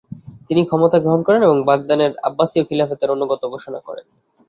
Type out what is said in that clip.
তিনি ক্ষমতা গ্রহণ করেন এবং বাগদাদের আব্বাসীয় খিলাফতের আনুগত্য ঘোষণা করেন।